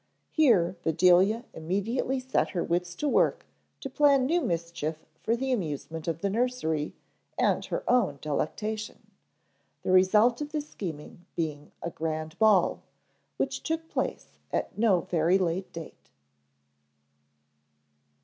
Here Bedelia immediately set her wits to work to plan new mischief for the amusement of the nursery and her own delectation, the result of this scheming being a grand ball, which took place at no very late date.